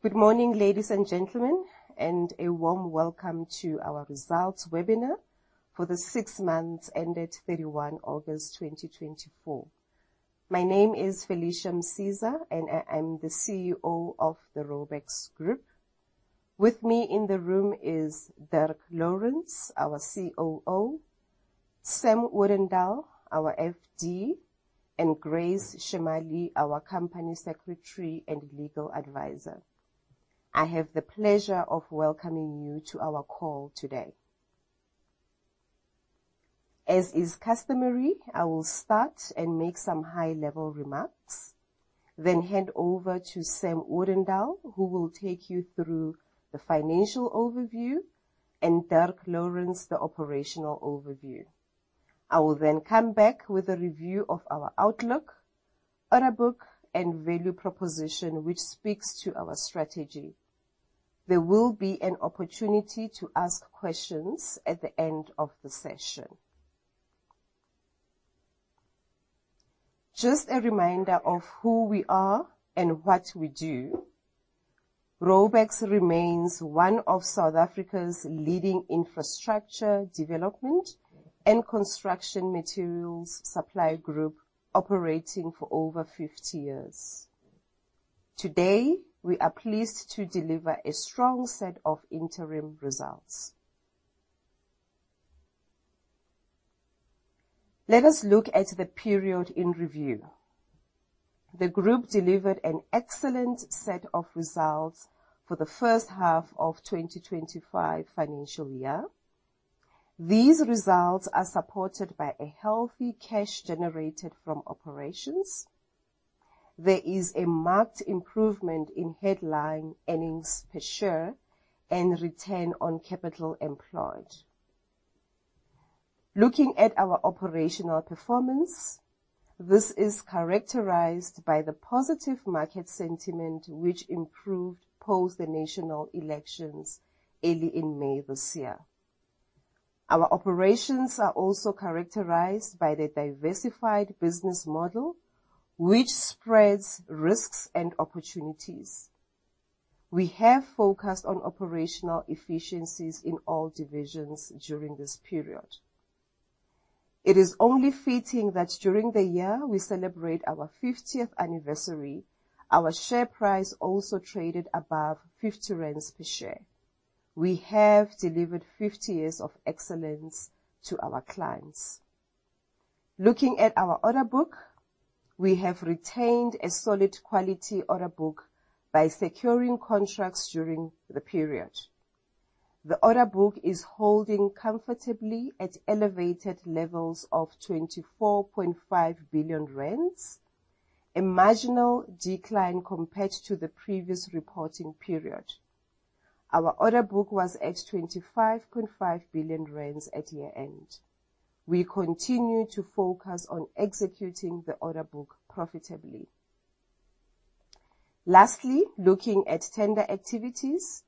Good morning, ladies and gentlemen, and a warm welcome to our Results Webinar for the Six Months ended 31 August 2024. My name is Felicia Msiza, and I am the CEO of the Raubex Group. With me in the room is Dirk Lourens, our COO, Sam Odendaal, our FD, and Grace Chemaly, our company secretary and legal advisor. I have the pleasure of welcoming you to our call today. As is customary, I will start and make some high-level remarks, then hand over to Sam Odendaal, who will take you through the financial overview, and Dirk Lourens, the operational overview. I will then come back with a review of our outlook, order book, and value proposition, which speaks to our strategy. There will be an opportunity to ask questions at the end of the session. Just a reminder of who we are and what we do. Raubex remains one of South Africa's leading infrastructure, development, and construction materials supply group, operating for over 50 years. Today, we are pleased to deliver a strong set of interim results. Let us look at the period in review. The group delivered an excellent set of results for the first half of 2025 financial year. These results are supported by a healthy cash generated from operations. There is a marked improvement in headline earnings per share and return on capital employed. Looking at our operational performance, this is characterized by the positive market sentiment, which improved post the national elections early in May this year. Our operations are also characterized by the diversified business model, which spreads risks and opportunities. We have focused on operational efficiencies in all divisions during this period. It is only fitting that during the year we celebrate our 50th anniversary, our share price also traded above 50 rand per share. We have delivered 50 years of excellence to our clients. Looking at our order book, we have retained a solid quality order book by securing contracts during the period. The order book is holding comfortably at elevated levels of 24.5 billion rand, a marginal decline compared to the previous reporting period. Our order book was at 25.5 billion rand at year-end. We continue to focus on executing the order book profitably. Lastly, looking at tender activities,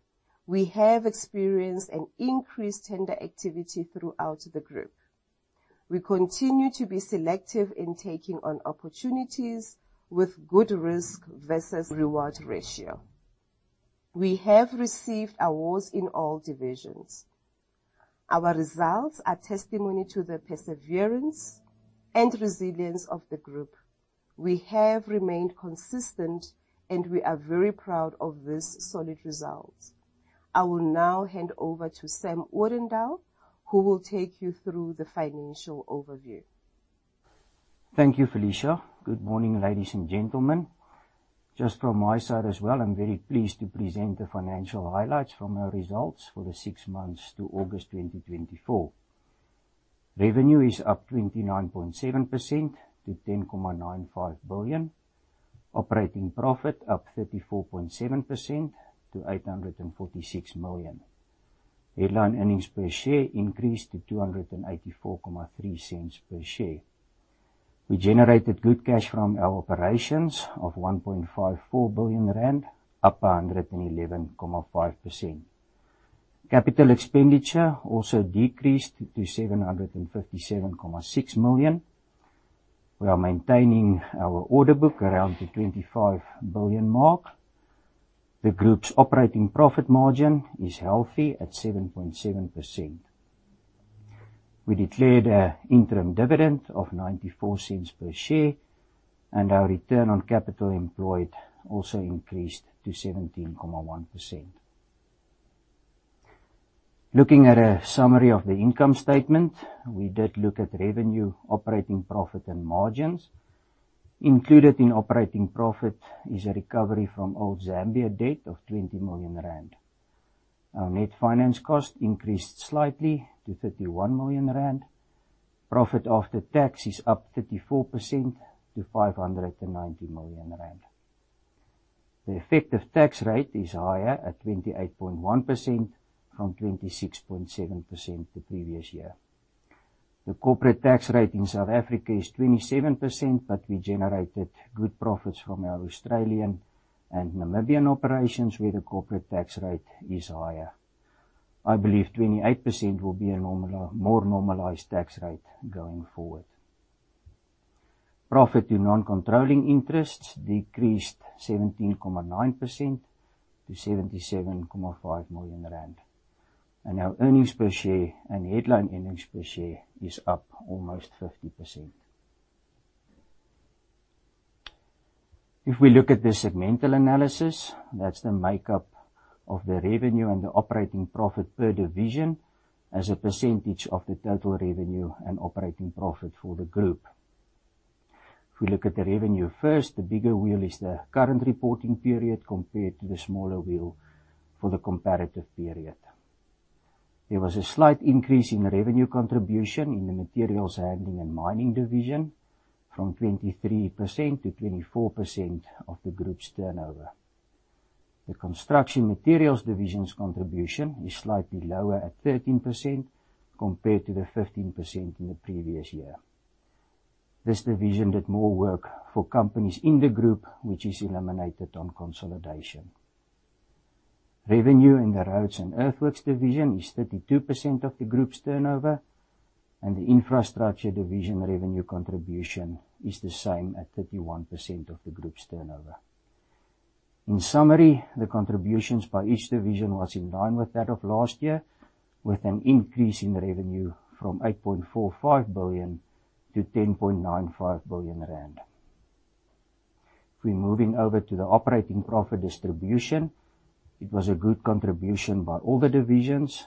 we have experienced an increased tender activity throughout the group. We continue to be selective in taking on opportunities with good risk versus reward ratio. We have received awards in all divisions. Our results are testimony to the perseverance and resilience of the group. We have remained consistent, and we are very proud of this solid result. I will now hand over to Samuel Odendaal, who will take you through the financial overview. Thank you, Felicia. Good morning, ladies and gentlemen. Just from my side as well, I'm very pleased to present the financial highlights from our results for the six months to August 2024. Revenue is up 29.7% to 10.95 billion. Operating profit up 34.7% to 846 million. Headline earnings per share increased to 2.843 per share. We generated good cash from our operations of 1.54 billion rand, up 111.5%. Capital expenditure also decreased to 757.6 million. We are maintaining our order book around the 25 billion mark. The group's operating profit margin is healthy at 7.7%. We declared an interim dividend of 0.94 per share, and our return on capital employed also increased to 17.1%. Looking at a summary of the income statement, we did look at revenue, operating profit, and margins. Included in operating profit is a recovery from old Zambia debt of 20 million rand. Our net finance cost increased slightly to 31 million rand. Profit after tax is up 34% to 590 million rand. The effective tax rate is higher at 28.1% from 26.7% the previous year. The corporate tax rate in South Africa is 27%, but we generated good profits from our Australian and Namibian operations, where the corporate tax rate is higher. I believe 28% will be a normal... more normalized tax rate going forward.... Profit to non-controlling interests decreased 17.9% to 77.5 million rand. Our earnings per share and headline earnings per share is up almost 50%. If we look at the segmental analysis, that's the makeup of the revenue and the operating profit per division as a percentage of the total revenue and operating profit for the group. If we look at the revenue first, the bigger wheel is the current reporting period compared to the smaller wheel for the comparative period. There was a slight increase in revenue contribution in the materials handling and mining division, from 23%-24% of the group's turnover. The construction materials division's contribution is slightly lower at 13%, compared to the 15% in the previous year. This division did more work for companies in the group, which is eliminated on consolidation. Revenue in the roads and earthworks division is 32% of the group's turnover, and the infrastructure division revenue contribution is the same at 31% of the group's turnover. In summary, the contributions by each division was in line with that of last year, with an increase in revenue from 8.45 billion to 10.95 billion rand. If we're moving over to the operating profit distribution, it was a good contribution by all the divisions.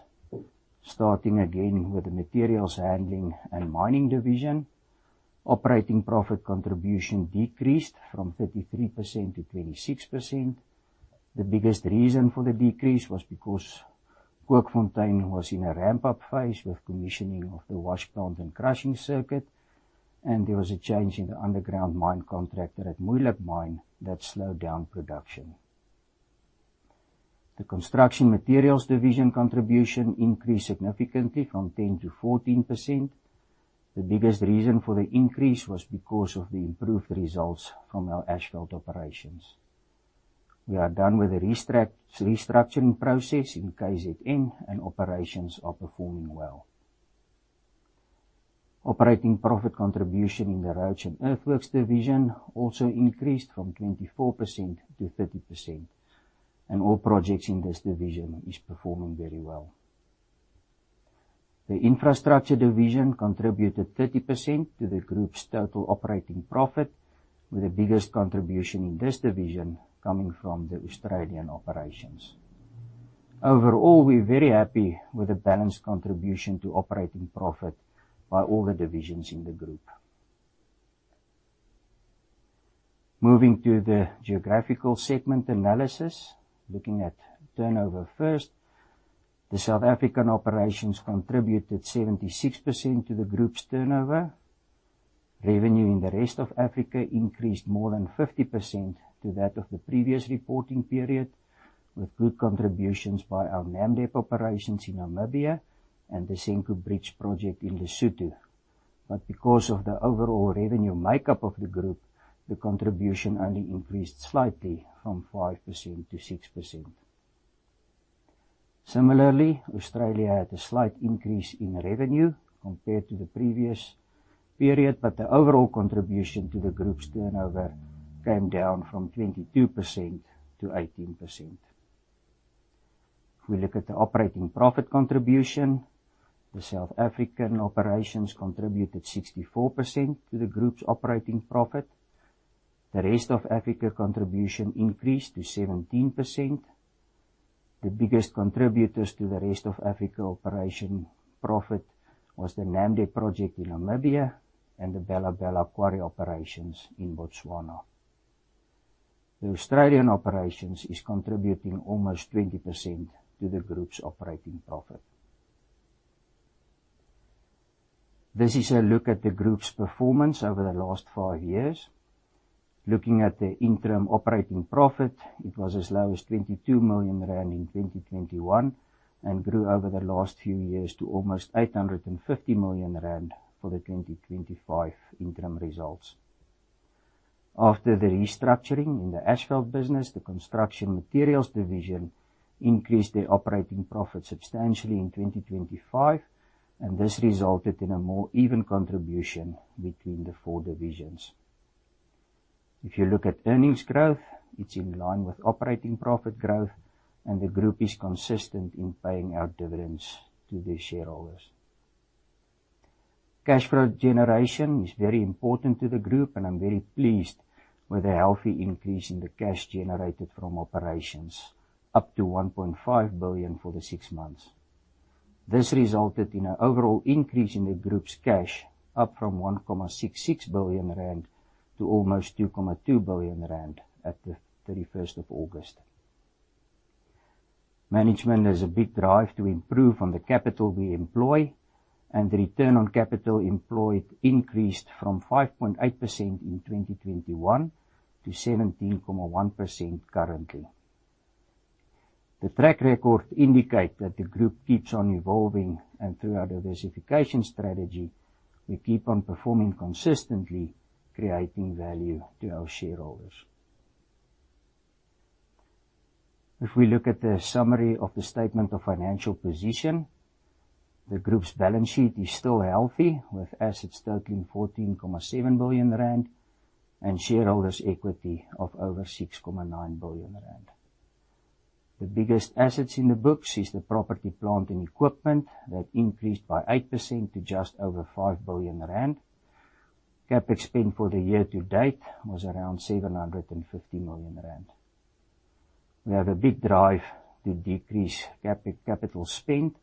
Starting again with the materials handling and mining division, operating profit contribution decreased from 33% to 26%. The biggest reason for the decrease was because Kookfontein was in a ramp-up phase with commissioning of the wash plant and crushing circuit, and there was a change in the underground mine contractor at Mooihoek Mine that slowed down production. The construction materials division contribution increased significantly from 10%-14%. The biggest reason for the increase was because of the improved results from our asphalt operations. We are done with the restructuring process in KZN, and operations are performing well. Operating profit contribution in the roads and earthworks division also increased from 24%-30%, and all projects in this division is performing very well. The infrastructure division contributed 30% to the group's total operating profit, with the biggest contribution in this division coming from the Australian operations. Overall, we're very happy with the balanced contribution to operating profit by all the divisions in the group. Moving to the geographical segment analysis. Looking at turnover first, the South African operations contributed 76% to the group's turnover. Revenue in the rest of Africa increased more than 50% to that of the previous reporting period, with good contributions by our Namdeb operations in Namibia and the Senqu River Bridge project in Lesotho. But because of the overall revenue makeup of the group, the contribution only increased slightly from 5%-6%. Similarly, Australia had a slight increase in revenue compared to the previous period, but the overall contribution to the group's turnover came down from 22%-18%. If we look at the operating profit contribution, the South African operations contributed 64% to the group's operating profit. The rest of Africa contribution increased to 17%. The biggest contributors to the rest of Africa operation profit was the Namdeb project in Namibia and the Bela-Bela quarry operations in Botswana. The Australian operations is contributing almost 20% to the group's operating profit. This is a look at the group's performance over the last five years. Looking at the interim operating profit, it was as low as 22 million rand in 2021 and grew over the last few years to almost 850 million rand for the 2025 interim results. After the restructuring in the asphalt business, the construction materials division increased their operating profit substantially in 2025, and this resulted in a more even contribution between the four divisions. If you look at earnings growth, it's in line with operating profit growth, and the group is consistent in paying out dividends to their shareholders. Cash flow generation is very important to the group, and I'm very pleased with the healthy increase in the cash generated from operations, up to 1.5 billion for the six months. This resulted in an overall increase in the group's cash, up from 1.66 billion rand to almost 2.2 billion rand at the 31st of August. Management has a big drive to improve on the capital we employ, and the return on capital employed increased from 5.8% in 2021 to 17.1% currently. The track record indicate that the group keeps on evolving, and through our diversification strategy, we keep on performing consistently, creating value to our shareholders.... If we look at the summary of the statement of financial position, the group's balance sheet is still healthy, with assets totaling 14.7 billion rand, and shareholders' equity of over 6.9 billion rand. The biggest assets in the books is the property, plant, and equipment that increased by 8% to just over 5 billion rand. CapEx spend for the year to date was around 750 million rand. We have a big drive to decrease capital spend.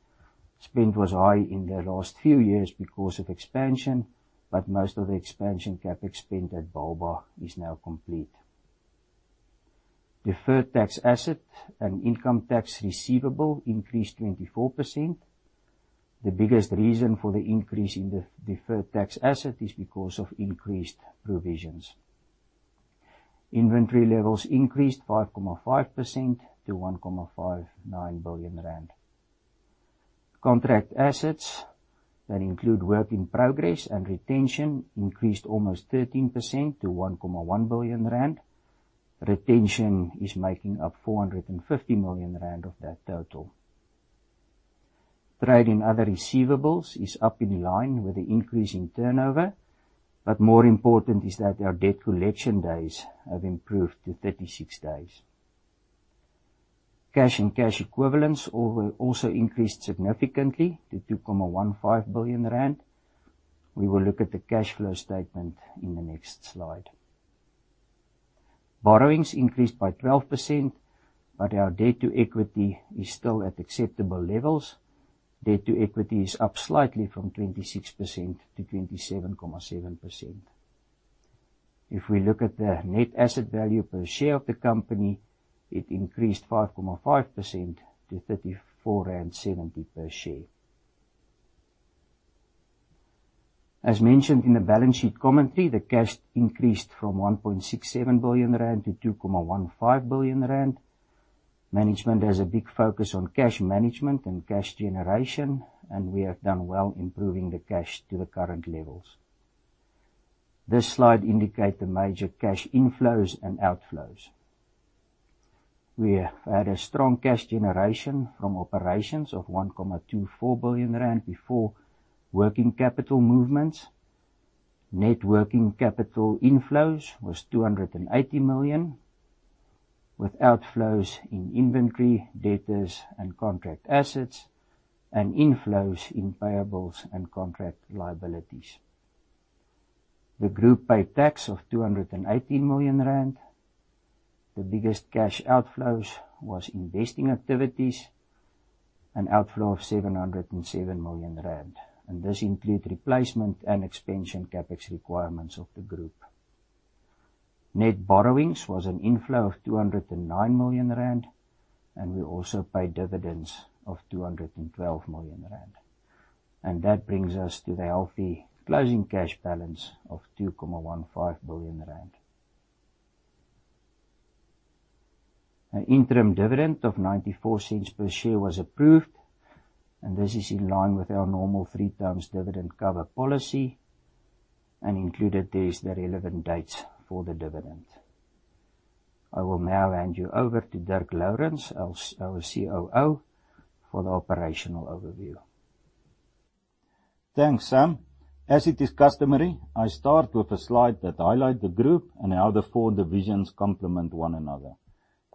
Spend was high in the last few years because of expansion, but most of the expansion CapEx spend at Bauba is now complete. Deferred tax asset and income tax receivable increased 24%. The biggest reason for the increase in the deferred tax asset is because of increased provisions. Inventory levels increased 5.5% to 1.59 billion rand. Contract assets that include work in progress and retention increased almost 13% to 1.1 billion rand. Retention is making up 450 million rand of that total. Trade and other receivables is up in line with the increase in turnover, but more important is that our debt collection days have improved to 36 days. Cash and cash equivalents also increased significantly to 2.15 billion rand. We will look at the cash flow statement in the next slide. Borrowings increased by 12%, but our debt-to-equity is still at acceptable levels. Debt-to-equity is up slightly from 26%-27.7%. If we look at the net asset value per share of the company, it increased 5.5% to 34.70 per share. As mentioned in the balance sheet commentary, the cash increased from 1.67 billion rand -2.15 billion rand. Management has a big focus on cash management and cash generation, and we have done well improving the cash to the current levels. This slide indicate the major cash inflows and outflows. We have had a strong cash generation from operations of 1.24 billion rand before working capital movements. Net working capital inflows was 280 million, with outflows in inventory, debtors, and contract assets, and inflows in payables and contract liabilities. The group paid tax of 218 million rand. The biggest cash outflows was investing activities, an outflow of 707 million rand, and this include replacement and expansion CapEx requirements of the group. Net borrowings was an inflow of 209 million rand, and we also paid dividends of 212 million rand. That brings us to the healthy closing cash balance of 2.15 billion rand. An interim dividend of 0.94 per share was approved, and this is in line with our normal 3 times dividend cover policy, and included there is the relevant dates for the dividend. I will now hand you over to Dirk Lourens, our COO, for the operational overview. Thanks, Sam. As it is customary, I start with a slide that highlight the group and how the four divisions complement one another.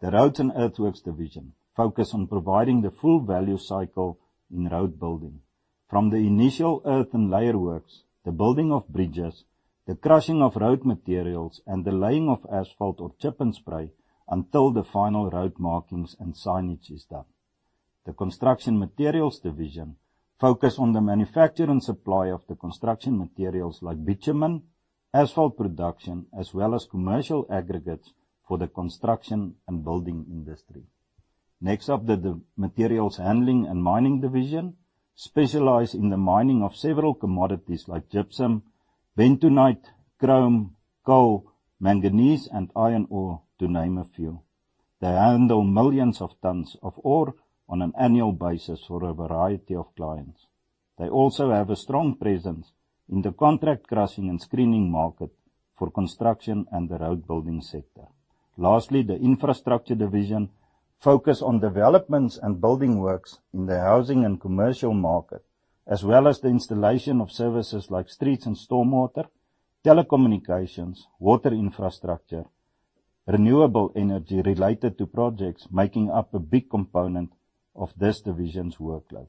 The Roads and Earthworks division focus on providing the full value cycle in road building. From the initial earth and layer works, the building of bridges, the crushing of road materials, and the laying of asphalt or chip and spray, until the final road markings and signage is done. The Construction Materials division focus on the manufacture and supply of the construction materials like bitumen, asphalt production, as well as commercial aggregates for the construction and building industry. Next up, the Materials Handling and Mining division specialize in the mining of several commodities like gypsum, bentonite, chrome, coal, manganese, and iron ore, to name a few. They handle millions of tons of ore on an annual basis for a variety of clients. They also have a strong presence in the contract crushing and screening market for construction and the road building sector. Lastly, the Infrastructure division focus on developments and building works in the housing and commercial market, as well as the installation of services like streets and stormwater, telecommunications, water infrastructure. Renewable energy related to projects making up a big component of this division's workload.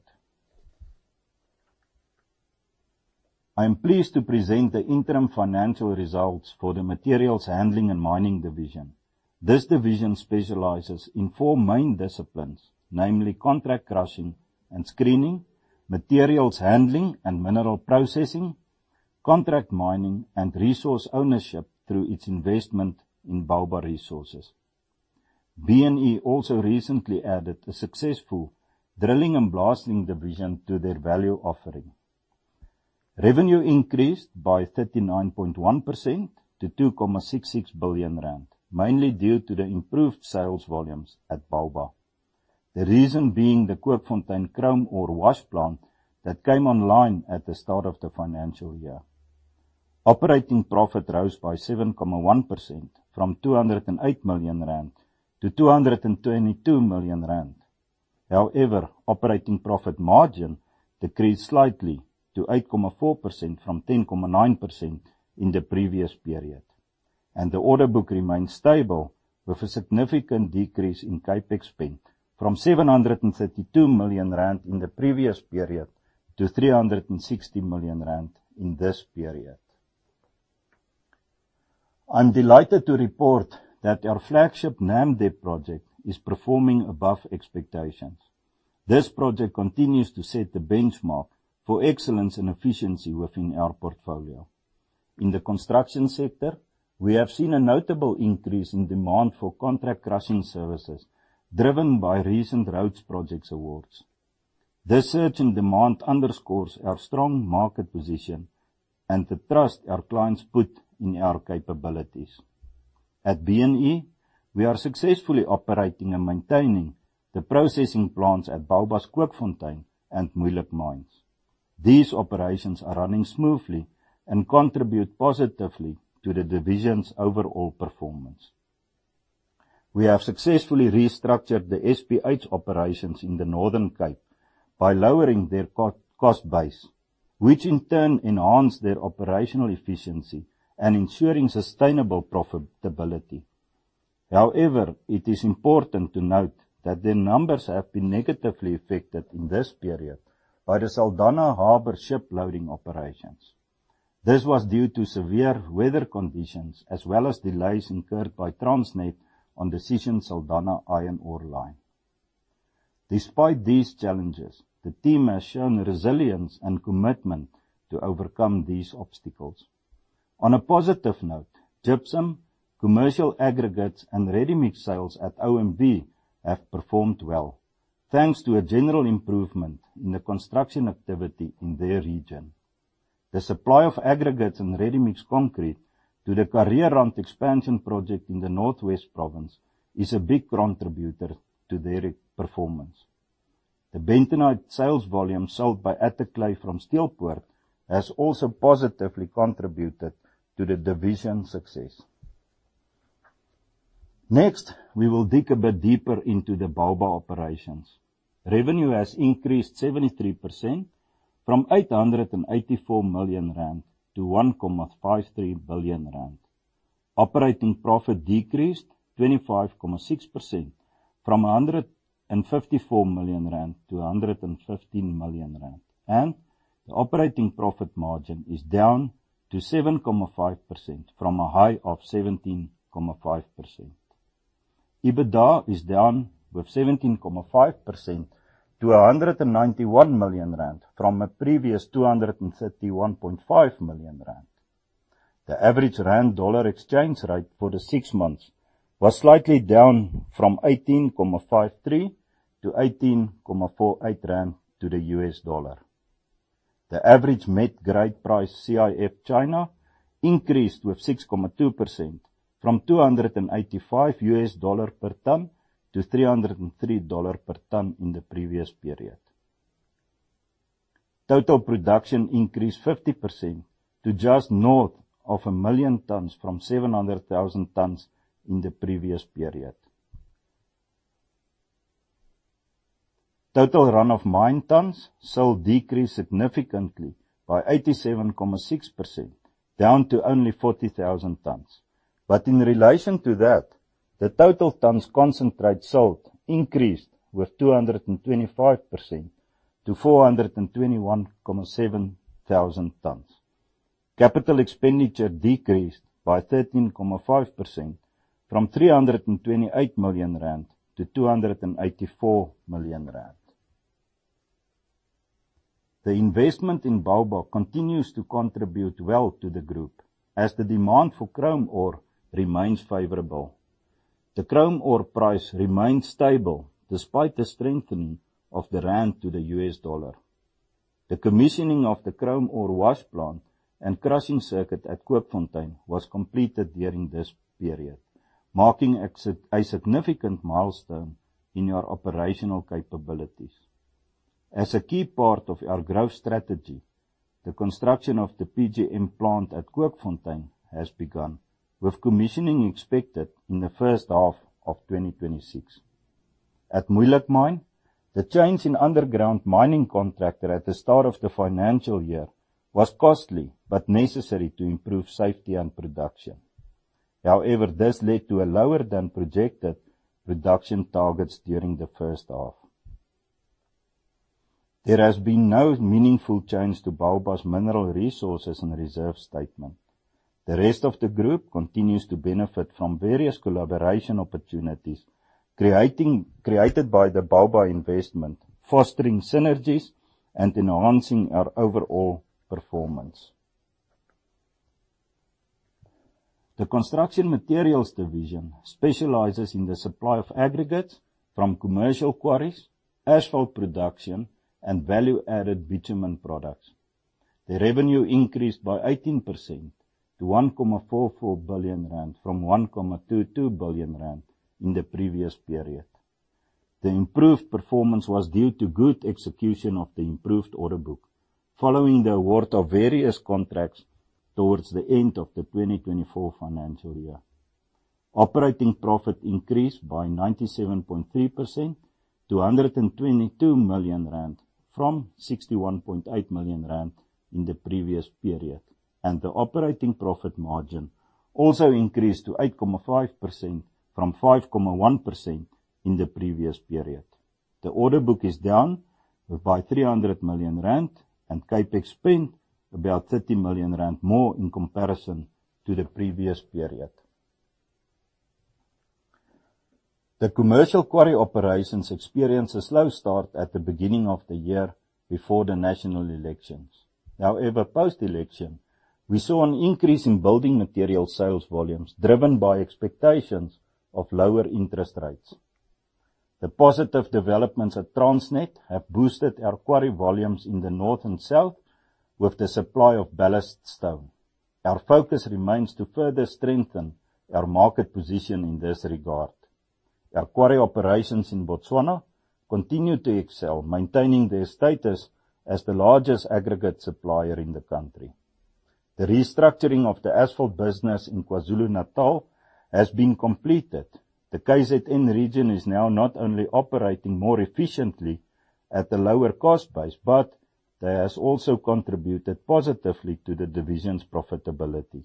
I am pleased to present the interim financial results for the Materials Handling and Mining Division. This division specializes in four main disciplines, namely contract crushing and screening, materials handling and mineral processing, contract mining, and resource ownership through its investment in Bauba Resources. B&E also recently added a successful drilling and blasting division to their value offering. Revenue increased by 39.1% to 2.66 billion rand, mainly due to the improved sales volumes at Bauba. The reason being the Kookfontein chrome ore wash plant that came online at the start of the financial year. Operating profit rose by 7.1% from 208 million rand to 222 million rand. However, operating profit margin decreased slightly to 8.4% from 10.9% in the previous period, and the order book remains stable with a significant decrease in CapEx spend from 732 million rand in the previous period to 360 million rand in this period. I'm delighted to report that our flagship Namdeb project is performing above expectations. This project continues to set the benchmark for excellence and efficiency within our portfolio. In the construction sector, we have seen a notable increase in demand for contract crushing services, driven by recent roads projects awards. This surge in demand underscores our strong market position and the trust our clients put in our capabilities. At B&E, we are successfully operating and maintaining the processing plants at Bauba, Kookfontein, and Mooihoek mines. These operations are running smoothly and contribute positively to the division's overall performance. We have successfully restructured the SPH operations in the Northern Cape by lowering their cost base, which in turn enhanced their operational efficiency and ensuring sustainable profitability. However, it is important to note that the numbers have been negatively affected in this period by the Saldanha Harbor ship loading operations. This was due to severe weather conditions, as well as delays incurred by Transnet on Sishen Saldanha iron ore line. Despite these challenges, the team has shown resilience and commitment to overcome these obstacles. On a positive note, gypsum, commercial aggregates, and readymix sales at OMV have performed well, thanks to a general improvement in the construction activity in their region. The supply of aggregates and readymix concrete to the Kareerand expansion project in the North West Province is a big contributor to their performance. The bentonite sales volume sold by Attaclay from Steelpoort has also positively contributed to the division's success. Next, we will dig a bit deeper into the Bauba operations. Revenue has increased 73% from 884 million rand to 1,153 billion rand. Operating profit decreased 25.6% from 154 million rand to 115 million rand, and the operating profit margin is down to 7.5% from a high of 17.5%. EBITDA is down with 17.5% to 191 million rand from a previous 231.5 million rand. The average rand/dollar exchange rate for the six months was slightly down from 18.53-18.48 rand to the US dollar. The average met grade price, CIF China, increased with 6.2% from $285 per ton to $303 per ton in the previous period. Total production increased 50% to just north of 1 million tons from 700,000 tons in the previous period. Total run-of-mine tons sold decreased significantly by 87.6%, down to only 40,000 tons. But in relation to that, the total tons concentrate sold increased with 225% to 421,700 tons. Capital expenditure decreased by 13.5% from ZAR 328 million-ZAR 284 million. The investment in Bauba continues to contribute well to the group, as the demand for chrome ore remains favorable. The chrome ore price remains stable despite the strengthening of the rand to the US dollar. The commissioning of the chrome ore wash plant and crushing circuit at Kookfontein was completed during this period, marking a significant milestone in our operational capabilities. As a key part of our growth strategy, the construction of the PGM plant at Kookfontein has begun, with commissioning expected in the first half of 2026. At Mooihoek Mine, the change in underground mining contractor at the start of the financial year was costly, but necessary to improve safety and production. However, this led to a lower-than-projected production targets during the first half. There has been no meaningful change to Bauba's mineral resources and reserve statement. The rest of the group continues to benefit from various collaboration opportunities, created by the Bauba investment, fostering synergies and enhancing our overall performance. The Construction Materials division specializes in the supply of aggregates from commercial quarries, asphalt production, and value-added bitumen products. The revenue increased by 18% to 1.44 billion rand from 1.22 billion rand in the previous period... The improved performance was due to good execution of the improved order book, following the award of various contracts towards the end of the 2024 financial year. Operating profit increased by 97.3% to 122 million rand, from 61.8 million rand in the previous period, and the operating profit margin also increased to 8.5% from 5.1% in the previous period. The order book is down by 300 million rand, and CapEx spend about 30 million rand more in comparison to the previous period. The commercial quarry operations experienced a slow start at the beginning of the year before the national elections. However, post-election, we saw an increase in building material sales volumes, driven by expectations of lower interest rates. The positive developments at Transnet have boosted our quarry volumes in the north and south with the supply of ballast stone. Our focus remains to further strengthen our market position in this regard. Our quarry operations in Botswana continue to excel, maintaining their status as the largest aggregate supplier in the country. The restructuring of the asphalt business in KwaZulu-Natal has been completed. The KZN region is now not only operating more efficiently at a lower cost base, but they has also contributed positively to the division's profitability.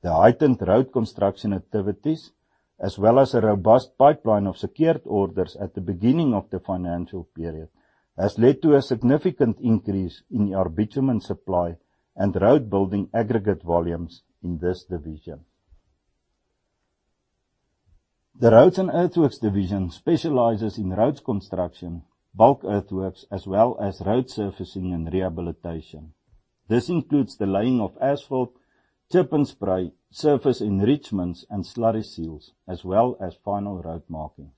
The heightened road construction activities, as well as a robust pipeline of secured orders at the beginning of the financial period, has led to a significant increase in our bitumen supply and road-building aggregate volumes in this division. The roads and earthworks division specializes in roads construction, bulk earthworks, as well as road surfacing and rehabilitation. This includes the laying of asphalt, chip and spray, surface enrichments, and slurry seals, as well as final road markings.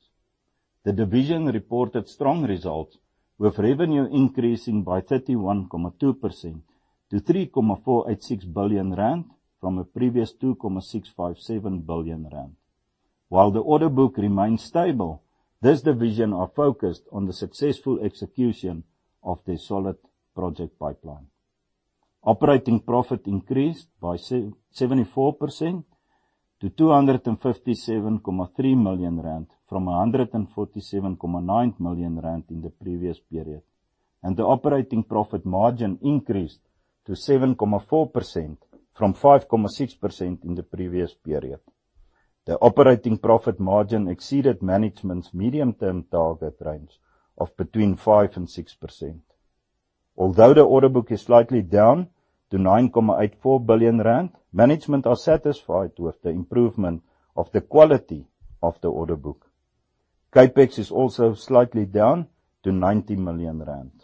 The division reported strong results, with revenue increasing by 31.2% to 3.486 billion rand, from a previous 2.657 billion rand. While the order book remains stable, this division are focused on the successful execution of the solid project pipeline. Operating profit increased by 74% to 257.3 million rand, from 147.9 million rand in the previous period, and the operating profit margin increased to 7.4% from 5.6% in the previous period. The operating profit margin exceeded management's medium-term target range of between 5% and 6%. Although the order book is slightly down to 9.84 billion rand, management are satisfied with the improvement of the quality of the order book. CapEx is also slightly down to 90 million rand.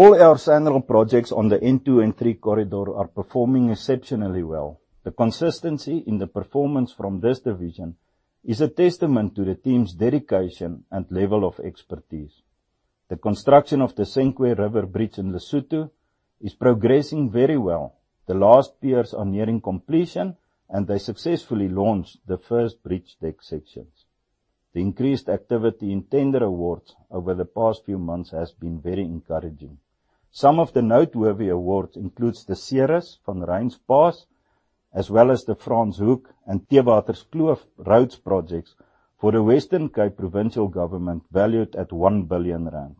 All our SANRAL projects on the N2 and N3 corridor are performing exceptionally well. The consistency in the performance from this division is a testament to the team's dedication and level of expertise. The construction of the Senqu River Bridge in Lesotho is progressing very well. The last piers are nearing completion, and they successfully launched the first bridge deck sections. The increased activity in tender awards over the past few months has been very encouraging. Some of the noteworthy awards includes the Ceres-Vanrhyns Pass, as well as the Franschhoek and Theewaterskloof roads projects for the Western Cape provincial government, valued at 1 billion rand.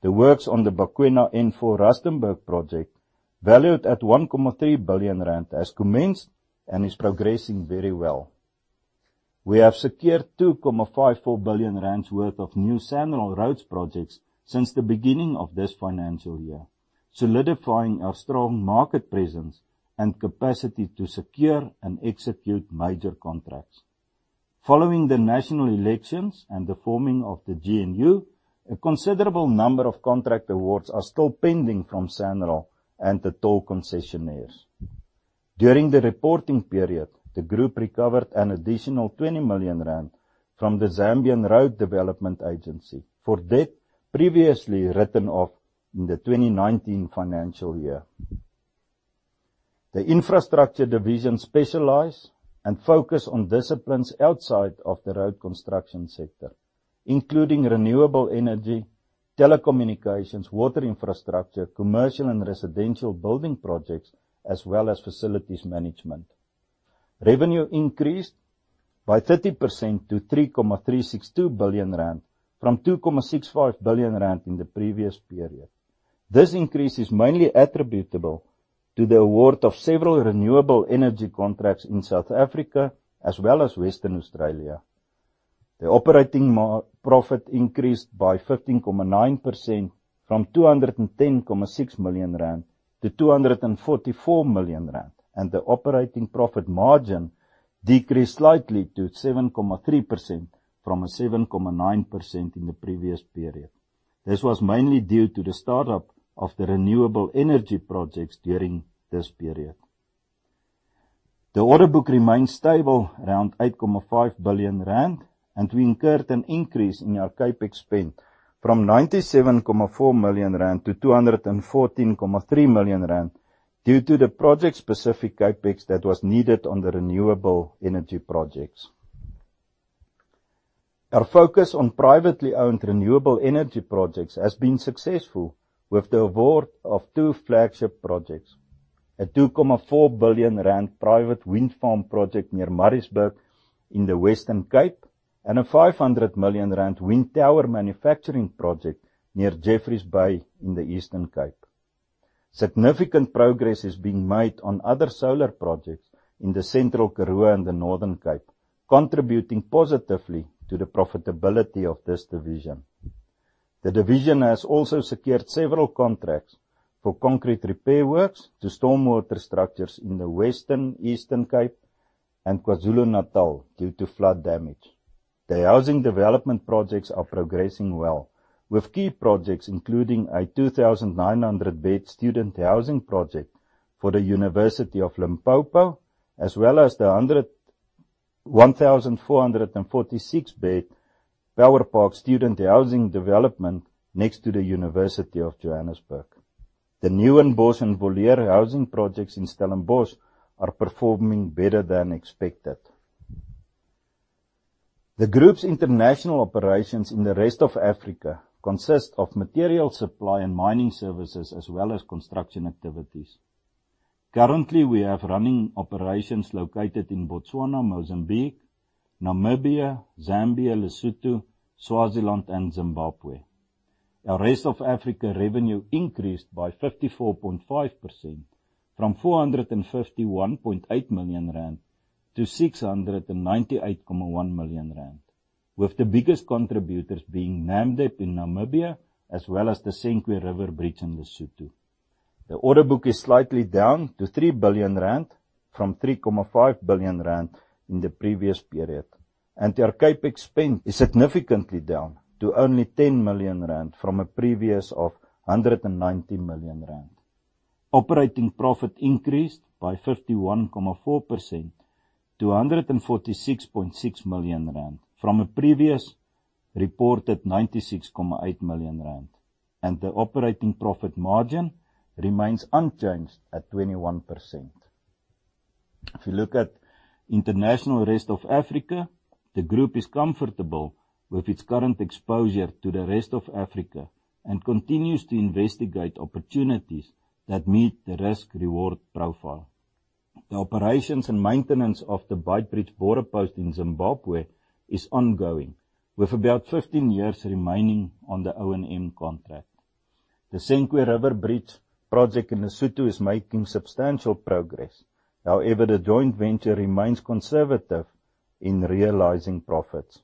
The works on the Bakwena N4 Rustenburg project, valued at 1.3 billion rand, has commenced and is progressing very well. We have secured 2.54 billion rand worth of new SANRAL roads projects since the beginning of this financial year, solidifying our strong market presence and capacity to secure and execute major contracts. Following the national elections and the forming of the GNU, a considerable number of contract awards are still pending from SANRAL and the toll concessionaires. During the reporting period, the group recovered an additional 20 million rand from the Zambian Road Development Agency for debt previously written off in the 2019 financial year. The infrastructure division specialize and focus on disciplines outside of the road construction sector, including renewable energy, telecommunications, water infrastructure, commercial and residential building projects, as well as facilities management. Revenue increased by 30% to 3.362 billion rand from 2.65 billion rand in the previous period. This increase is mainly attributable to the award of several renewable energy contracts in South Africa, as well as Western Australia. The operating profit increased by 15.9% from 210.6 million-244 million rand, and the operating profit margin decreased slightly to 7.3% from a 7.9% in the previous period. This was mainly due to the startup of the renewable energy projects during this period. The order book remains stable around 8.5 billion rand, and we incurred an increase in our CapEx spend from 97.4 million-214.3 million rand... due to the project-specific CapEx that was needed on the renewable energy projects. Our focus on privately-owned renewable energy projects has been successful with the award of two flagship projects: a 2.4 billion rand private wind farm project near Murraysburg in the Western Cape, and a 500 million rand wind tower manufacturing project near Jeffreys Bay in the Eastern Cape. Significant progress is being made on other solar projects in the central Karoo and the Northern Cape, contributing positively to the profitability of this division. The division has also secured several contracts for concrete repair works to stormwater structures in the Western Cape, Eastern Cape, and KwaZulu-Natal due to flood damage. The housing development projects are progressing well, with key projects including a 2,900-bed student housing project for the University of Limpopo, as well as the 1,446-bed Power Park student housing development next to the University of Johannesburg. The Newinbosch and Boschervallei housing projects in Stellenbosch are performing better than expected. The group's international operations in the rest of Africa consist of material supply and mining services, as well as construction activities. Currently, we have running operations located in Botswana, Mozambique, Namibia, Zambia, Lesotho, Swaziland, and Zimbabwe. Our rest of Africa revenue increased by 54.5%, from 451.8 million-698.1 million rand, with the biggest contributors being Namdeb in Namibia, as well as the Senqu River Bridge in Lesotho. The order book is slightly down to 3 billion rand from 3.5 billion rand in the previous period, and our CapEx spend is significantly down to only 10 million rand from a previous of 190 million rand. Operating profit increased by 51.4% to 146.6 million rand, from a previously reported 96.8 million rand, and the operating profit margin remains unchanged at 21%. If you look at international rest of Africa, the group is comfortable with its current exposure to the rest of Africa and continues to investigate opportunities that meet the risk-reward profile. The operations and maintenance of the Beitbridge Border Post in Zimbabwe is ongoing, with about 15 years remaining on the O&M contract. The Senqu River Bridge project in Lesotho is making substantial progress. However, the joint venture remains conservative in realizing profits.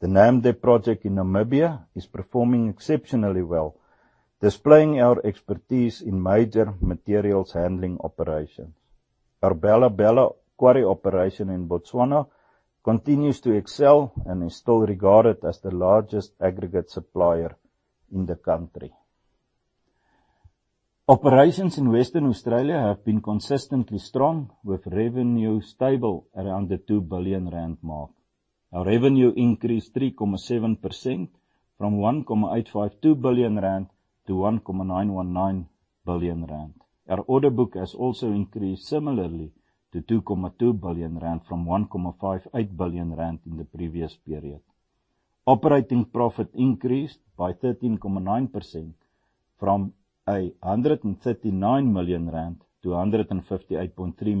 The Namdeb project in Namibia is performing exceptionally well, displaying our expertise in major materials handling operations. Our Bela-Bela quarry operation in Botswana continues to excel and is still regarded as the largest aggregate supplier in the country. Operations in Western Australia have been consistently strong, with revenue stable around the 2 billion rand mark. Our revenue increased 3.7% from 1.852 billion rand to 1.919 billion rand. Our order book has also increased similarly to 2.2 billion rand from 1.58 billion rand in the previous period. Operating profit increased by 13.9% from 139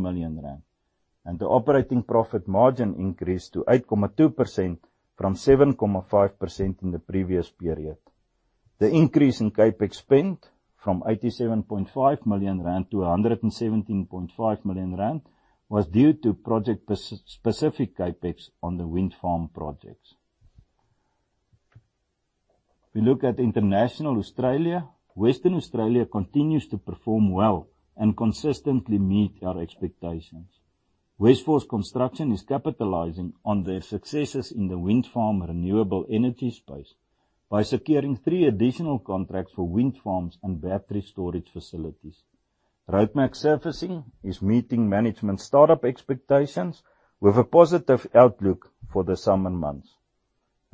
million-158.3 million rand, and the operating profit margin increased to 8.2% from 7.5% in the previous period. The increase in CapEx spend from 87.5 million rand to 117.5 million rand was due to project-specific CapEx on the wind farm projects. If we look at international Australia, Western Australia continues to perform well and consistently meet our expectations. Westforce Construction is capitalizing on their successes in the wind farm renewable energy space by securing three additional contracts for wind farms and battery storage facilities. Roadmac Surfacing is meeting management startup expectations with a positive outlook for the summer months.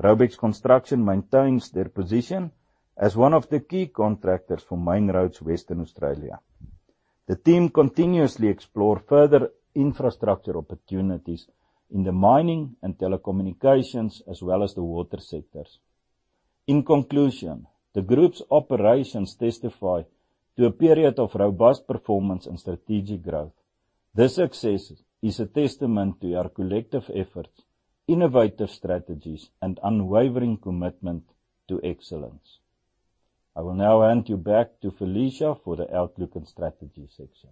Raubex Construction maintains their position as one of the key contractors for main roads, Western Australia. The team continuously explore further infrastructure opportunities in the mining and telecommunications, as well as the water sectors. In conclusion, the group's operations testify to a period of robust performance and strategic growth. This success is a testament to our collective efforts, innovative strategies, and unwavering commitment to excellence. I will now hand you back to Felicia for the outlook and strategy section.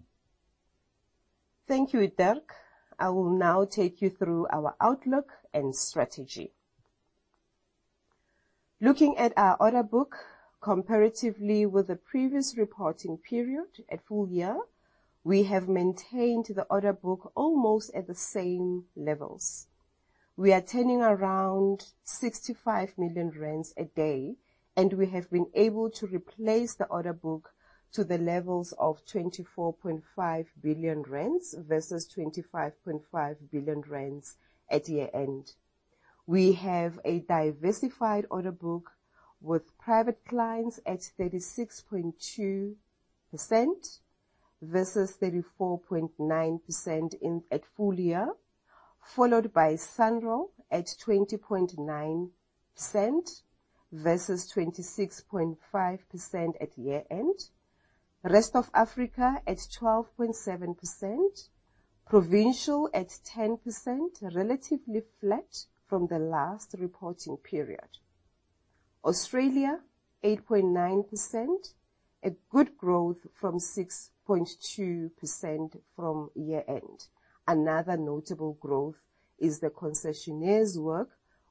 Thank you, Dirk. I will now take you through our outlook and strategy. Looking at our order book comparatively with the previous reporting period at full year, we have maintained the order book almost at the same levels. We are turning around 65 million rand a day, and we have been able to replace the order book to the levels of 24.5 billion rand versus 25.5 billion rand at year-end. We have a diversified order book with private clients at 36.2% versus 34.9% in, at full year, followed by SANRAL at 20.9% versus 26.5% at year-end. Rest of Africa at 12.7%, provincial at 10%, relatively flat from the last reporting period. Australia, 8.9%, a good growth from 6.2% from year-end. Another notable growth is the concessionaires work,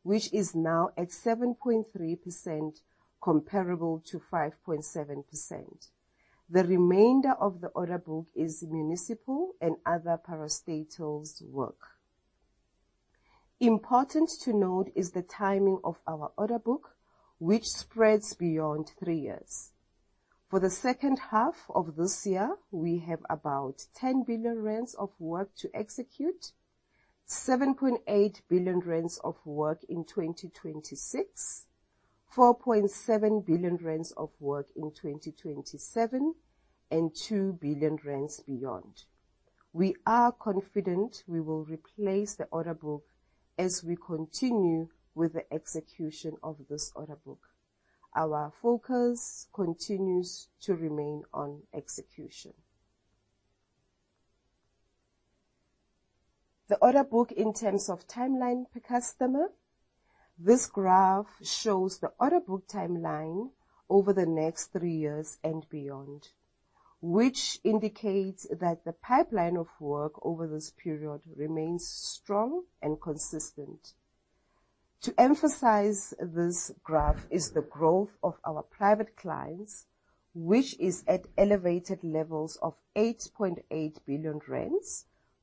which is now at 7.3%, comparable to 5.7%. The remainder of the order book is municipal and other parastatals work. Important to note is the timing of our order book, which spreads beyond three years. For the second half of this year, we have about 10 billion rand of work to execute, 7.8 billion rand of work in 2026, 4.7 billion rand of work in 2027, and 2 billion rand beyond. We are confident we will replace the order book as we continue with the execution of this order book. Our focus continues to remain on execution. The order book in terms of timeline per customer. This graph shows the order book timeline over the next three years and beyond, which indicates that the pipeline of work over this period remains strong and consistent. To emphasize this graph is the growth of our private clients, which is at elevated levels of 8.8 billion rand,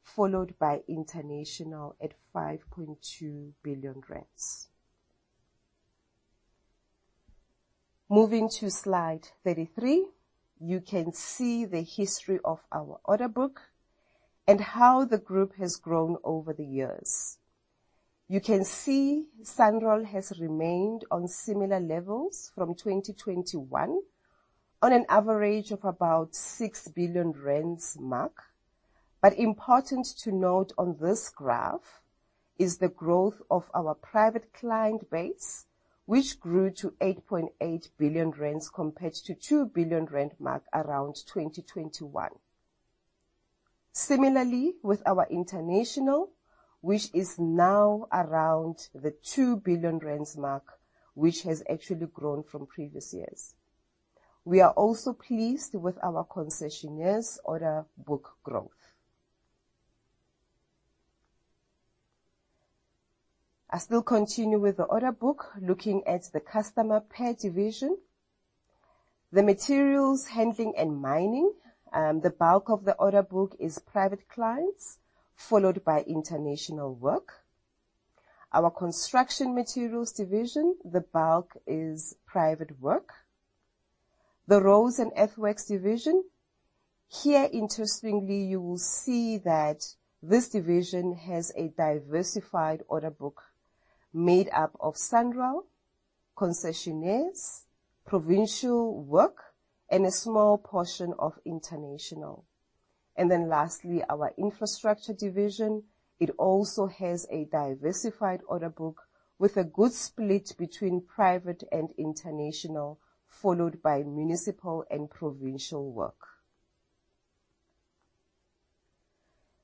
followed by international at 5.2 billion rand. Moving to slide 33, you can see the history of our order book and how the group has grown over the years. You can see SANRAL has remained on similar levels from 2021, on an average of about 6 billion rand mark. But important to note on this graph is the growth of our private client base, which grew to 8.8 billion rand compared to 2 billion rand mark around 2021. Similarly, with our international, which is now around the 2 billion rand mark, which has actually grown from previous years. We are also pleased with our concessionaires order book growth. I still continue with the order book, looking at the customer per division. The materials handling and mining, the bulk of the order book is private clients, followed by international work. Our construction materials division, the bulk is private work. The roads and earthworks division, here, interestingly, you will see that this division has a diversified order book made up of SANRAL, concessionaires, provincial work, and a small portion of international. And then lastly, our infrastructure division. It also has a diversified order book with a good split between private and international, followed by municipal and provincial work.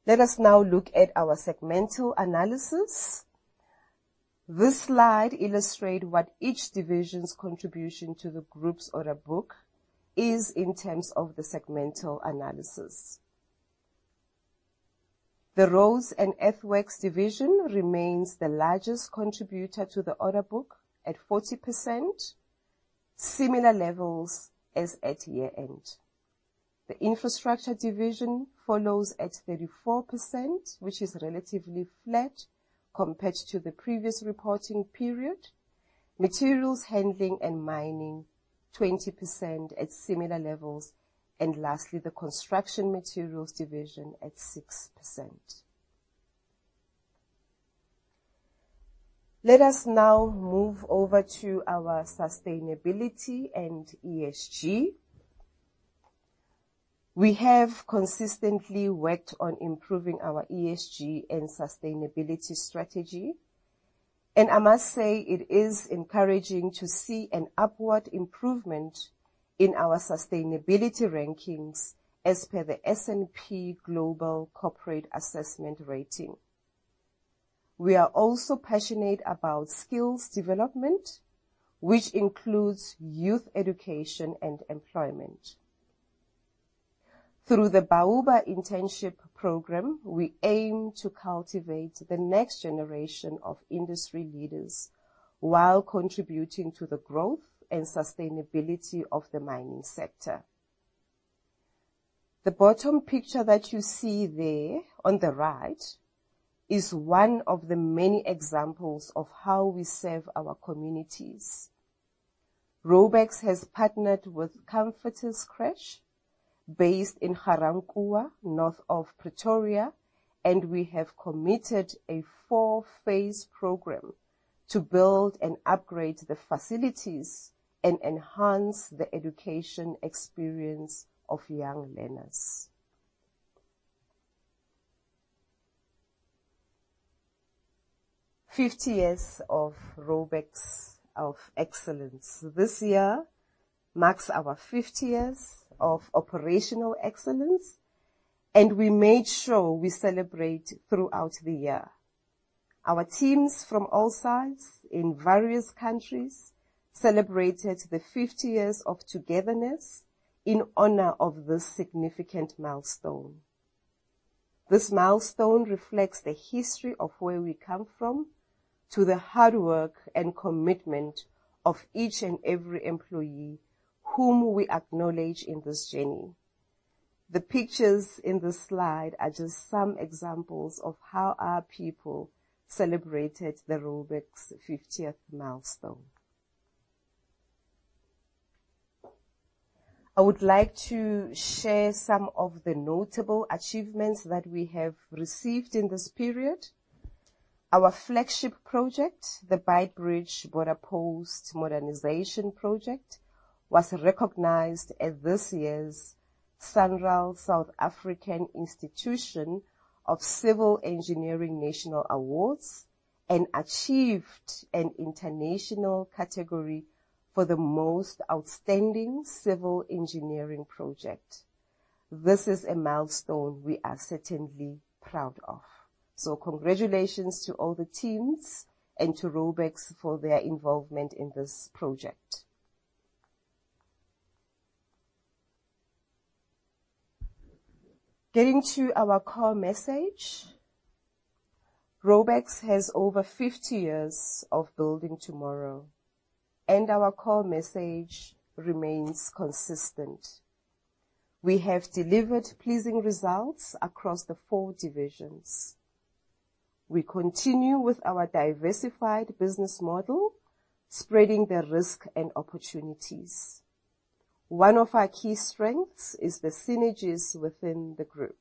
Let us now look at our segmental analysis. This slide illustrate what each division's contribution to the group's order book is in terms of the segmental analysis. The roads and earthworks division remains the largest contributor to the order book at 40%, similar levels as at year-end. The infrastructure division follows at 34%, which is relatively flat compared to the previous reporting period. Materials handling and mining, 20% at similar levels, and lastly, the construction materials division at 6%. Let us now move over to our sustainability and ESG. We have consistently worked on improving our ESG and sustainability strategy, and I must say it is encouraging to see an upward improvement in our sustainability rankings as per the S&P Global Corporate Assessment Rating. We are also passionate about skills development, which includes youth education and employment. Through the Bauba Internship Program, we aim to cultivate the next generation of industry leaders while contributing to the growth and sustainability of the mining sector. The bottom picture that you see there on the right is one of the many examples of how we serve our communities. Raubex has partnered with Kgomotso Crèche, based in Ga-Rankuwa, north of Pretoria, and we have committed a four-phase program to build and upgrade the facilities and enhance the education experience of young learners. 50 years of Raubex of excellence. This year marks our 50 years of operational excellence, and we made sure we celebrate throughout the year. Our teams from all sides in various countries celebrated the 50 years of togetherness in honor of this significant milestone. This milestone reflects the history of where we come from, to the hard work and commitment of each and every employee, whom we acknowledge in this journey. The pictures in this slide are just some examples of how our people celebrated the Raubex 50th milestone. I would like to share some of the notable achievements that we have received in this period. Our flagship project, the Beitbridge Border Post Modernization project, was recognized at this year's SANRAL South African Institution of Civil Engineering National Awards, and achieved an international category for the Most Outstanding Civil Engineering Project. This is a milestone we are certainly proud of. So congratulations to all the teams and to Raubex for their involvement in this project. Getting to our core message, Raubex has over 50 years of building tomorrow, and our core message remains consistent. We have delivered pleasing results across the four divisions. We continue with our diversified business model, spreading the risk and opportunities. One of our key strengths is the synergies within the group.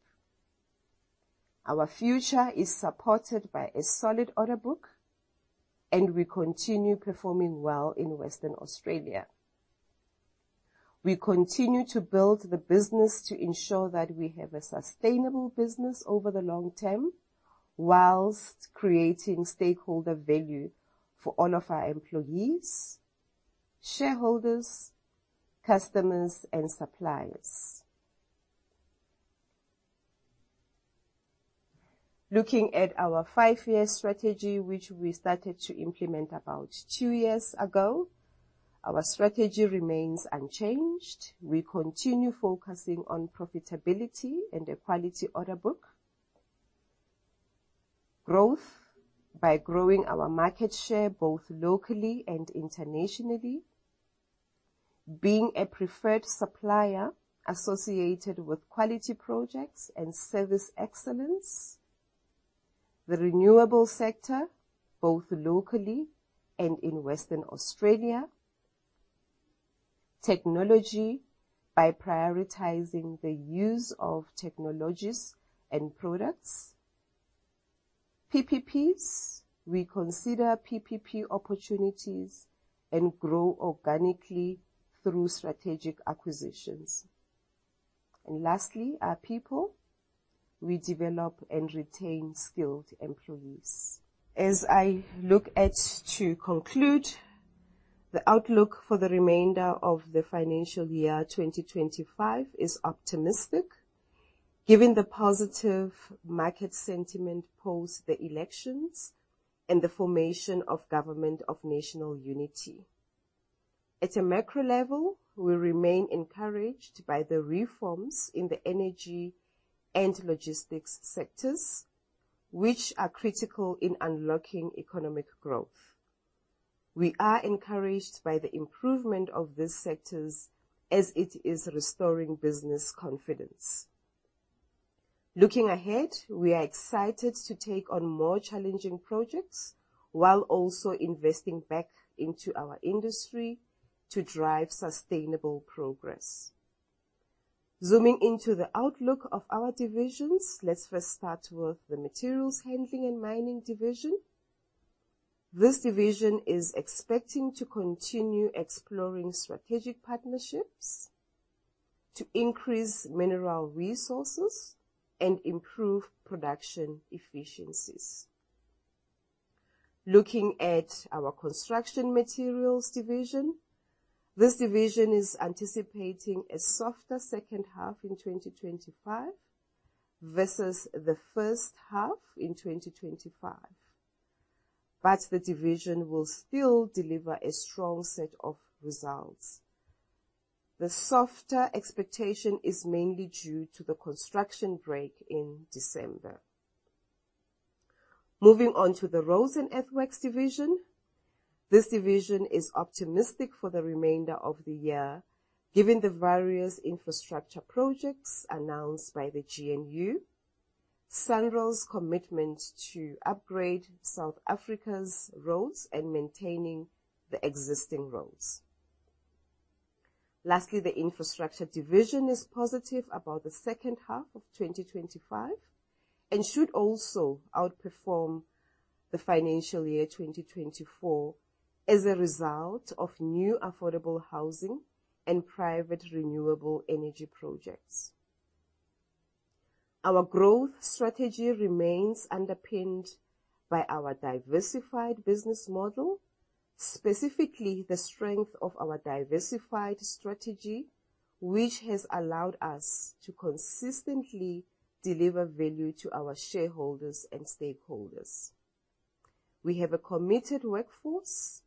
Our future is supported by a solid order book, and we continue performing well in Western Australia. We continue to build the business to ensure that we have a sustainable business over the long term, while creating stakeholder value for all of our employees, shareholders, customers, and suppliers. Looking at our five-year strategy, which we started to implement about two years ago, our strategy remains unchanged. We continue focusing on profitability and a quality order book. Growth, by growing our market share, both locally and internationally. Being a preferred supplier associated with quality projects and service excellence. The renewable sector, both locally and in Western Australia. Technology, by prioritizing the use of technologies and products. PPPs, we consider PPP opportunities and grow organically through strategic acquisitions. Lastly, our people, we develop and retain skilled employees. As I look to conclude, the outlook for the remainder of the financial year 2025 is optimistic, given the positive market sentiment post the elections and the formation of Government of National Unity. At a macro level, we remain encouraged by the reforms in the energy and logistics sectors, which are critical in unlocking economic growth. We are encouraged by the improvement of these sectors as it is restoring business confidence. Looking ahead, we are excited to take on more challenging projects while also investing back into our industry to drive sustainable progress. Zooming into the outlook of our divisions, let's first start with the Materials Handling and Mining division. This division is expecting to continue exploring strategic partnerships to increase mineral resources and improve production efficiencies. Looking at our Construction Materials division, this division is anticipating a softer second half in 2025 versus the first half in 2025, but the division will still deliver a strong set of results. The softer expectation is mainly due to the construction break in December. Moving on to the Roads and Earthworks division. This division is optimistic for the remainder of the year, given the various infrastructure projects announced by the GNU... SANRAL's commitment to upgrade South Africa's roads and maintaining the existing roads. Lastly, the infrastructure division is positive about the second half of 2025, and should also outperform the financial year 2024 as a result of new affordable housing and private renewable energy projects. Our growth strategy remains underpinned by our diversified business model, specifically the strength of our diversified strategy, which has allowed us to consistently deliver value to our shareholders and stakeholders. We have a committed workforce.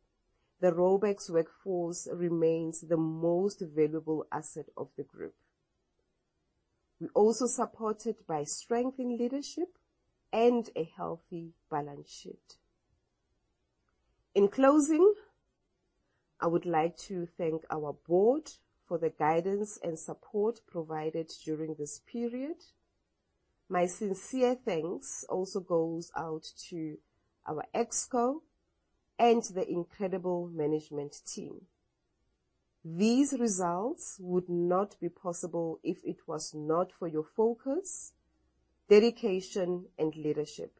The Raubex workforce remains the most valuable asset of the group. We're also supported by strength in leadership and a healthy balance sheet. In closing, I would like to thank our board for the guidance and support provided during this period. My sincere thanks also goes out to our ExCo and the incredible management team. These results would not be possible if it was not for your focus, dedication, and leadership.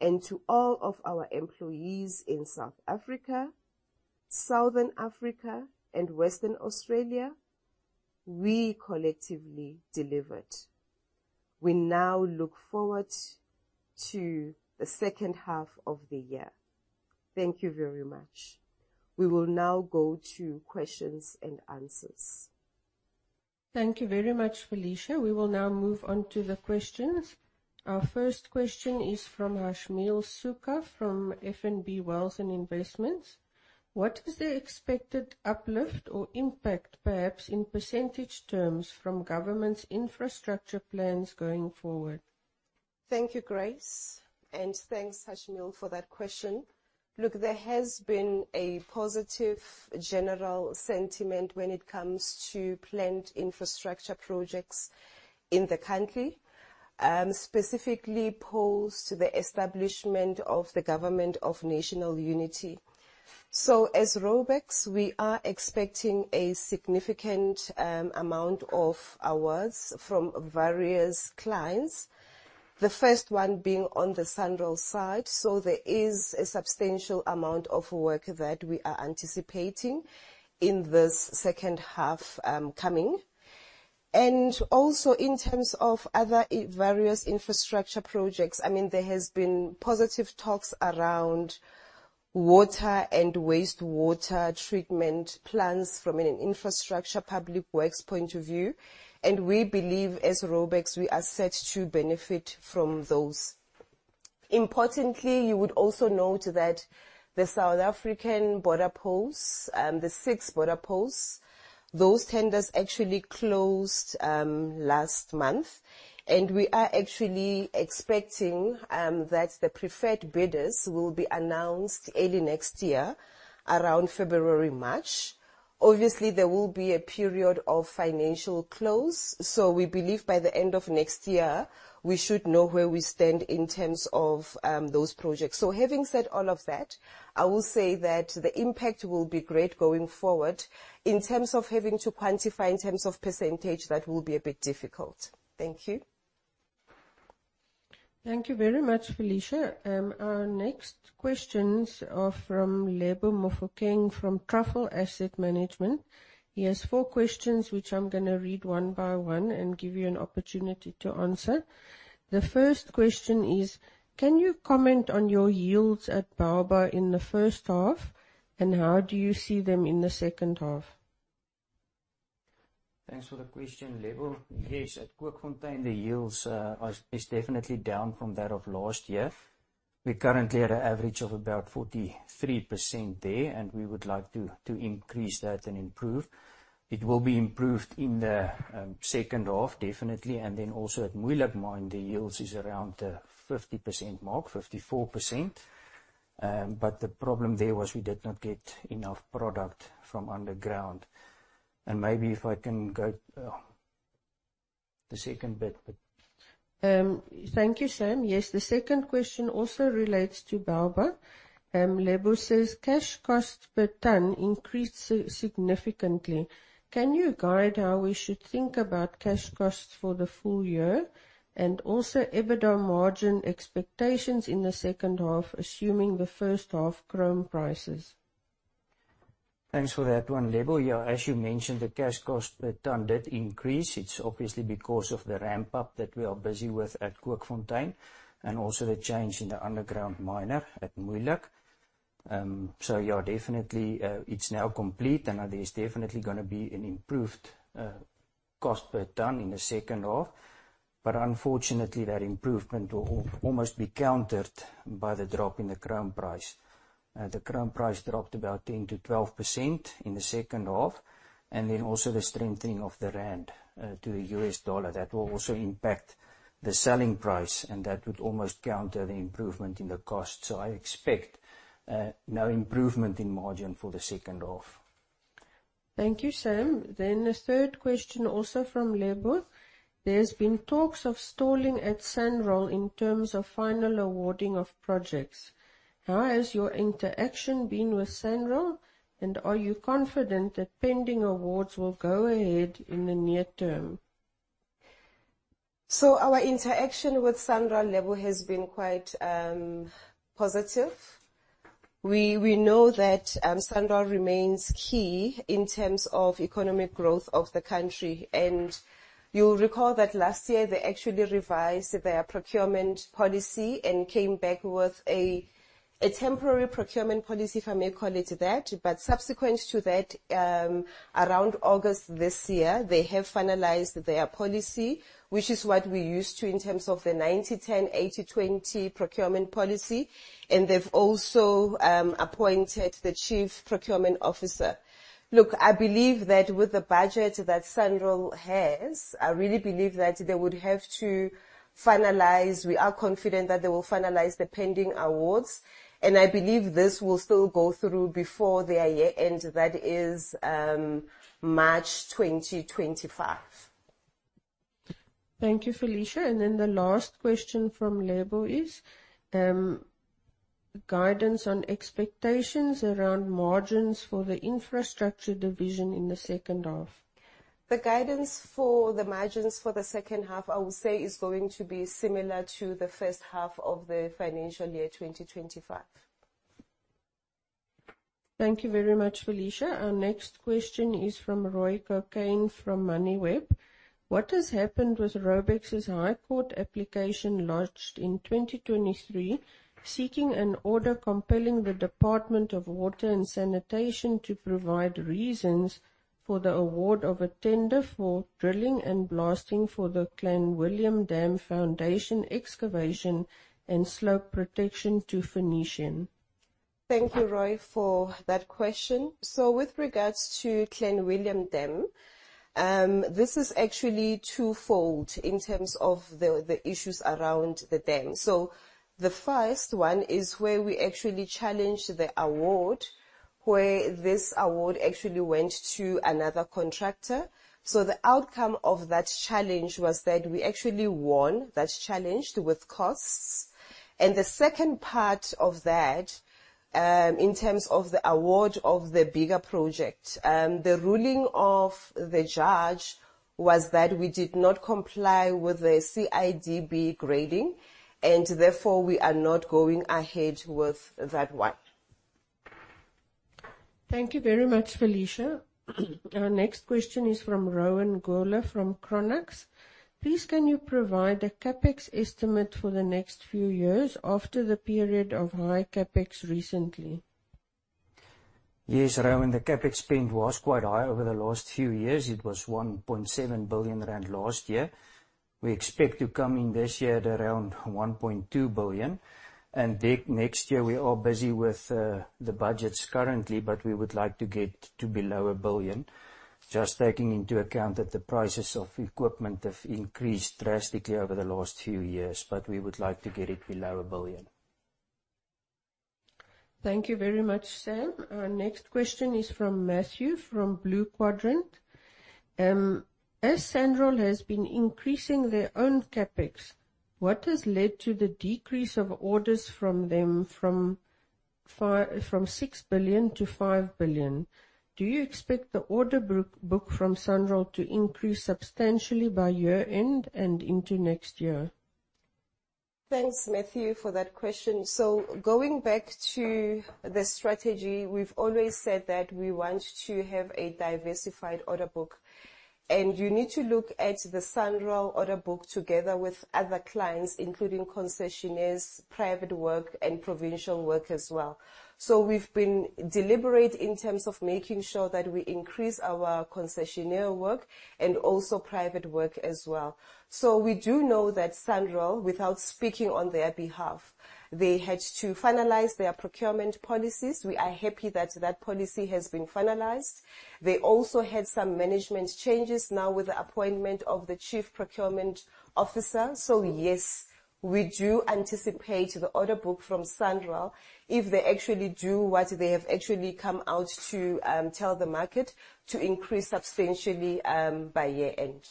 And to all of our employees in South Africa, Southern Africa, and Western Australia, we collectively delivered. We now look forward to the second half of the year. Thank you very much. We will now go to questions and answers. Thank you very much, Felicia. We will now move on to the questions. Our first question is from Hashmeel Sooka, from FNB Wealth and Investments: What is the expected uplift or impact, perhaps in percentage terms, from government's infrastructure plans going forward? Thank you, Grace, and thanks, Hashmeel, for that question. Look, there has been a positive general sentiment when it comes to planned infrastructure projects in the country, specifically post the establishment of the Government of National Unity. So as Raubex, we are expecting a significant amount of awards from various clients, the first one being on the SANRAL side. So there is a substantial amount of work that we are anticipating in this second half, coming. And also, in terms of other various infrastructure projects, I mean, there has been positive talks around water and wastewater treatment plans from an infrastructure public works point of view, and we believe as Raubex, we are set to benefit from those. Importantly, you would also note that the South African border posts, the six border posts, those tenders actually closed, last month, and we are actually expecting, that the preferred bidders will be announced early next year, around February, March. Obviously, there will be a period of financial close, so we believe by the end of next year, we should know where we stand in terms of, those projects. So having said all of that, I will say that the impact will be great going forward. In terms of having to quantify in terms of percentage, that will be a bit difficult. Thank you. Thank you very much, Felicia. Our next questions are from Lebo Mofokeng, from Truffle Asset Management. He has four questions, which I'm gonna read one by one and give you an opportunity to answer. The first question is: Can you comment on your yields at Bauba in the first half, and how do you see them in the second half? Thanks for the question, Lebo. Yes, at Kookfontein, the yields, are, is definitely down from that of last year. We currently at an average of about 43% there, and we would like to, to increase that and improve. It will be improved in the, second half, definitely, and then also at Mooihoek mine, the yields is around the 50% mark, 54%. But the problem there was we did not get enough product from underground. And maybe if I can go, the second bit. Thank you, Sam. Yes, the second question also relates to Bauba. Lebo says: Cash costs per ton increased significantly. Can you guide how we should think about cash costs for the full year, and also EBITDA margin expectations in the second half, assuming the first half chrome prices? Thanks for that one, Lebo. Yeah, as you mentioned, the cash cost per ton did increase. It's obviously because of the ramp-up that we are busy with at Kookfontein, and also the change in the underground miner at Mooihoek. So yeah, definitely, it's now complete, and there's definitely gonna be an improved cost per ton in the second half. But unfortunately, that improvement will almost be countered by the drop in the chrome price. The chrome price dropped about 10%-12% in the second half, and then also the strengthening of the rand to the US dollar. That will also impact the selling price, and that would almost counter the improvement in the cost. So I expect no improvement in margin for the second half.... Thank you, Sam. Then the third question, also from Lebo: There's been talks of stalling at SANRAL in terms of final awarding of projects. How has your interaction been with SANRAL, and are you confident that pending awards will go ahead in the near term? So our interaction with SANRAL, Lebo, has been quite positive. We know that SANRAL remains key in terms of economic growth of the country. And you'll recall that last year, they actually revised their procurement policy and came back with a temporary procurement policy, if I may call it that. But subsequent to that, around August this year, they have finalized their policy, which is what we're used to in terms of the 90/10, 80/20 procurement policy, and they've also appointed the chief procurement officer. Look, I believe that with the budget that SANRAL has, I really believe that they would have to finalize. We are confident that they will finalize the pending awards, and I believe this will still go through before their year end. That is, March 2025. Thank you, Felicia. And then the last question from Lebo is: Guidance on expectations around margins for the infrastructure division in the second half. The guidance for the margins for the second half, I will say, is going to be similar to the first half of the financial year 2025. Thank you very much, Felicia. Our next question is from Roy Cokayne, from Moneyweb: What has happened with Raubex's High Court application, lodged in 2023, seeking an order compelling the Department of Water and Sanitation to provide reasons for the award of a tender for drilling and blasting for the Clanwilliam Dam foundation excavation and slope protection to Phoenician? Thank you, Roy, for that question. So with regards to Clanwilliam Dam, this is actually twofold in terms of the issues around the dam. So the first one is where we actually challenged the award, where this award actually went to another contractor. So the outcome of that challenge was that we actually won that challenge with costs. And the second part of that, in terms of the award of the bigger project, the ruling of the judge was that we did not comply with the CIDB grading, and therefore, we are not going ahead with that one. Thank you very much, Felicia. Our next question is from Rowan Goeller, from Chronux: Please, can you provide a CapEx estimate for the next few years after the period of high CapEx recently? Yes, Rowan, the CapEx spend was quite high over the last few years. It was 1.7 billion rand last year. We expect to come in this year at around 1.2 billion, and the next year, we are busy with, the budgets currently, but we would like to get to below 1 billion. Just taking into account that the prices of equipment have increased drastically over the last few years, but we would like to get it below 1 billion. Thank you very much, Sam. Our next question is from Matthew, from Blue Quadrant. As SANRAL has been increasing their own CapEx, what has led to the decrease of orders from them from 6 billion to 5 billion? Do you expect the order book from SANRAL to increase substantially by year-end and into next year? Thanks, Matthew, for that question. So going back to the strategy, we've always said that we want to have a diversified order book, and you need to look at the SANRAL order book together with other clients, including concessionaires, private work, and provincial work as well. So we've been deliberate in terms of making sure that we increase our concessionaire work and also private work as well. So we do know that SANRAL, without speaking on their behalf, they had to finalize their procurement policies. We are happy that that policy has been finalized. They also had some management changes now with the appointment of the chief procurement officer. So yes, we do anticipate the order book from SANRAL, if they actually do what they have actually come out to tell the market, to increase substantially by year-end.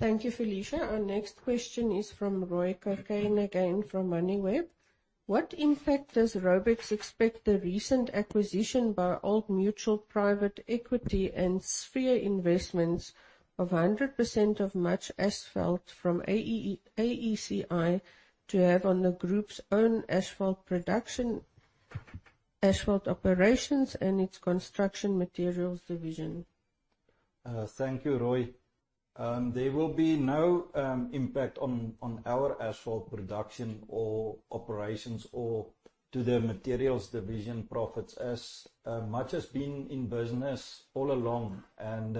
Thank you, Felicia. Our next question is from Roy Cokayne, again, from Moneyweb. What impact does Raubex expect the recent acquisition by Old Mutual Private Equity and Sphere Holdings of 100% of Much Asphalt from AECI to have on the group's own asphalt production, asphalt operations, and its construction materials division? Thank you, Roy. There will be no impact on our asphalt production or operations or to the materials division profits, as Much has been in business all along, and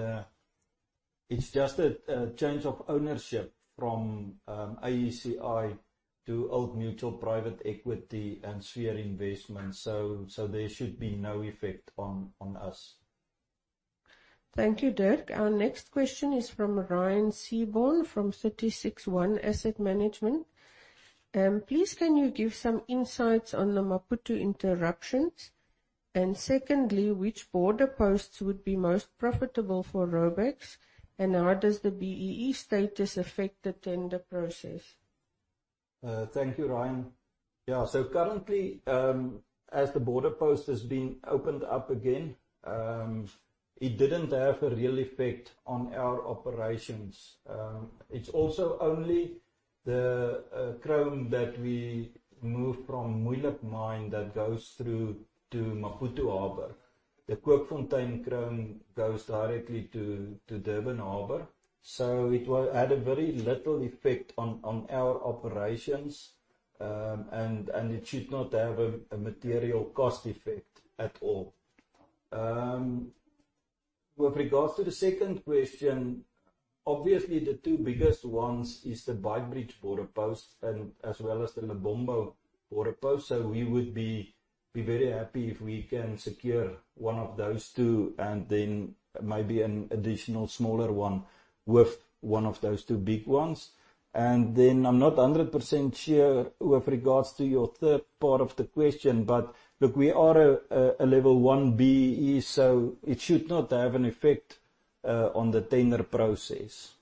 it's just a change of ownership from AECI to Old Mutual Private Equity and Sphere Holdings. So there should be no effect on us. ... Thank you, Dirk. Our next question is from Ryan Seaborne, from 36ONE Asset Management. Please, can you give some insights on the Maputo interruptions? And secondly, which border posts would be most profitable for Raubex, and how does the BEE status affect the tender process? Thank you, Ryan. Yeah, so currently, as the border post has been opened up again, it didn't have a real effect on our operations. It's also only the chrome that we move from Mooihoek mine that goes through to Maputo Harbor. The Kookfontein chrome goes directly to Durban Harbor, so it will had a very little effect on our operations. And it should not have a material cost effect at all. With regards to the second question, obviously, the two biggest ones is the Beitbridge Border Post and as well as the Lebombo Border Post. So we would be very happy if we can secure one of those two and then maybe an additional smaller one with one of those two big ones. And then I'm not 100% sure with regards to your third part of the question, but look, we are a level one BEE, so it should not have an effect on the tender process.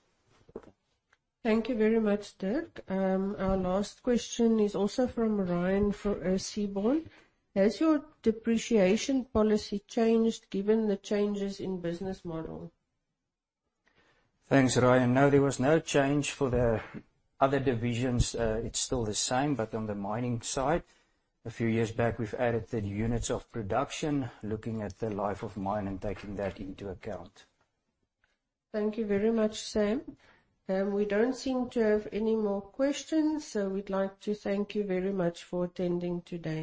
Thank you very much, Dirk. Our last question is also from Ryan Seaborne. Has your depreciation policy changed given the changes in business model? Thanks, Ryan. No, there was no change for the other divisions. It's still the same, but on the mining side, a few years back, we've added the units of production, looking at the life of mine and taking that into account. Thank you very much, Sam. We don't seem to have any more questions, so we'd like to thank you very much for attending today.